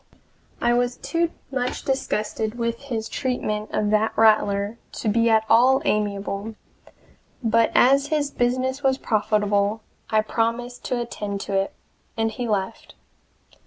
I was too much disgusted with his treatment of that Rattler to be at all amiable, but as his business was profitable, I promised to attend to it, and he left.